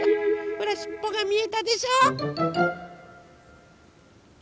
ほらしっぽがみえたでしょ？